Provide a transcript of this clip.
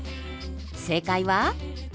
正解は。